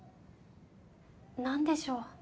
何でしょう？